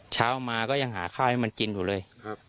เช้ามาก็ยังหาข้าวให้มันกินอยู่เลย